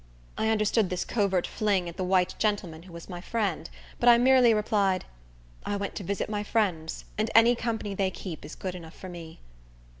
I understood this covert fling at the white gentleman who was my friend; but I merely replied, "I went to visit my friends, and any company they keep is good enough for me."